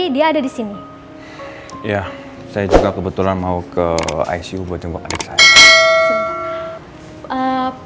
dia ada di sini ya saya juga kebetulan mau ke icu buat nyoba adik saya